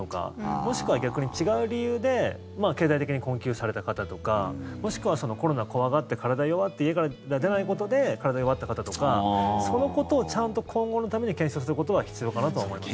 もしくは逆に違う理由で経済的に困窮された方とかもしくはコロナ怖がって体弱って家から出ないことで体弱った方とかそのことをちゃんと今後のために検証することは必要かなと思います。